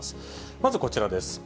まずこちらです。